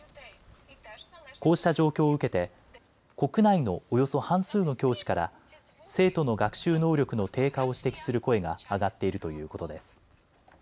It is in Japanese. こうした状況を受けて国内のおよそ半数の教師から生徒の学習能力の低下を指摘する声が上がっているということです。